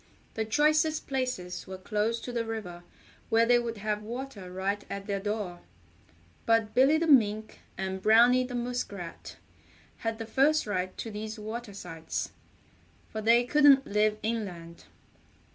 The choicest places were close to the river where they would have water right at their door. But Billy the Mink and Browny the Muskrat had the first right to these water sites, for they couldn't live inland.